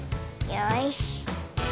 よし。